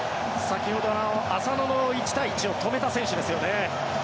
先ほどの浅野の１対１を止めた選手ですよね。